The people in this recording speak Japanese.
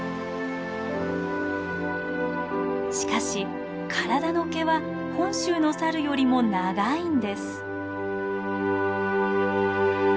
しかし体の毛は本州のサルよりも長いんです。